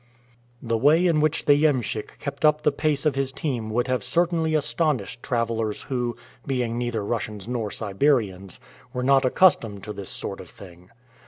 The way in which the iemschik kept up the pace of his team would have certainly astonished travelers who, being neither Russians nor Siberians, were not accustomed to this sort of thing.